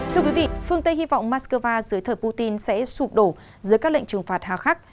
thưa quý vị phương tây hy vọng moscow dưới thờ putin sẽ sụp đổ dưới các lệnh trừng phạt hạ khắc